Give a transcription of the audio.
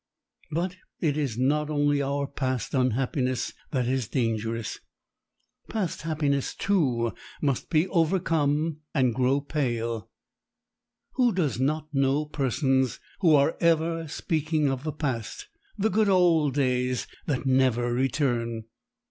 But it is not only our past unhappiness that is dangerous. Past happiness, too, must be overcome and grow pale. Who does not know persons who are ever speaking of the past, the good old days that never return?